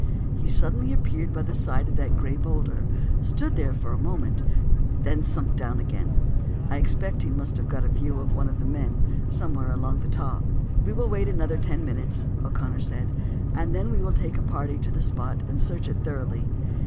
He suddenly appeared by the side of that gray boulder, stood there for a moment, and sunk down again. I expect he must have got a view of one of the men somewhere along the top." "We will wait another ten minutes," O'Connor said, "and then we will take a party to the spot and search it thoroughly.